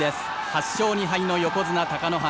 ８勝２敗の横綱貴乃花。